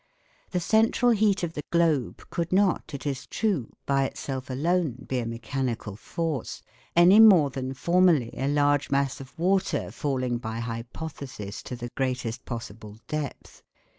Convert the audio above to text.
The central heat of the globe could not, it is true, by itself alone be a mechanical force, any more than formerly a large mass of water falling by hypothesis to the greatest possible depth.